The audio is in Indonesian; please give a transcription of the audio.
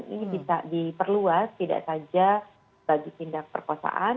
ini bisa diperluas tidak saja bagi tindak perkosaan